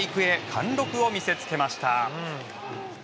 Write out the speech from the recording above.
貫録を見せつけました。